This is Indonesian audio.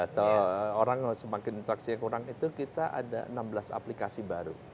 atau orang semakin infraksi kurang itu kita ada enam belas aplikasi baru